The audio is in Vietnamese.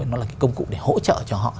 nó là công cụ để hỗ trợ cho họ